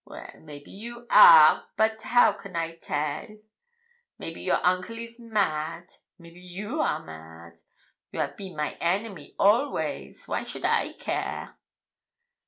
'Well, maybe you are how can I tell? Maybe your uncle is mad maybe you are mad. You have been my enemy always why should I care?'